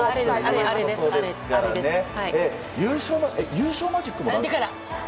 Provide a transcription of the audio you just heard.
優勝マジックも。